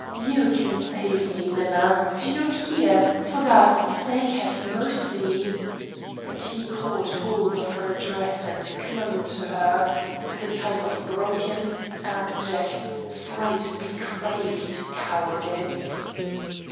You can save me. Minna, do you hear? For God's sake, have mercy," and he caught hold of her dress and clung to her the type of broken, abject, fright becrazed cowardice.